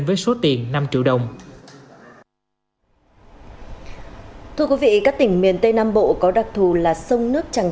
với số tiền năm triệu đồng thưa quý vị các tỉnh miền tây nam bộ có đặc thù là sông nước tràng